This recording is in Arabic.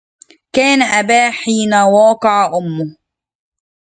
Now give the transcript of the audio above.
كأن أباه حين واقع أمه